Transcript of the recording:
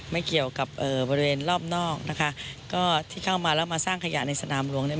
ไม่เกี่ยวกับบริเวณรอบนอกนะคะก็ที่เข้ามาแล้วมาสร้างขยะในสนามหลวงเนี่ย